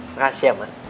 makasih ya man